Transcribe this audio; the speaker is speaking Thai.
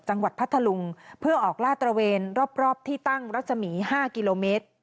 พัทธลุงเพื่อออกล่าตระเวนรอบที่ตั้งรัศมี๕กิโลเมตร